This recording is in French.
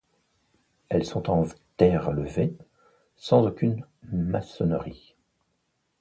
Elles sont en terre levée, sans aucune maçonnerie.